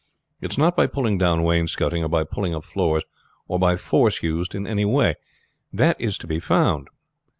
It is not by pulling down wainscoting or by pulling up floors, or by force used in any way, that it is to be found.